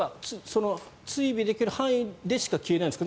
追尾できる範囲内でしか消えないんですか？